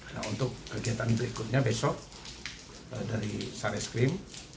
nah untuk kegiatan berikutnya besok dari sare skrim